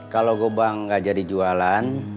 kalau gobang gak jadi jualan